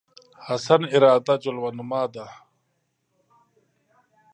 حسن اراده جلوه نما ده